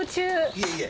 いえいえ。